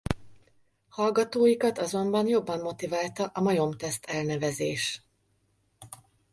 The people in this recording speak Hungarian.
Hallgatóikat azonban jobban motiválta a majom-teszt elnevezés.